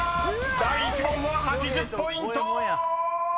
［第１問は８０ポイント！］